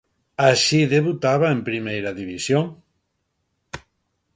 Así debutaba en Primeira División.